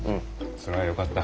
それはよかった。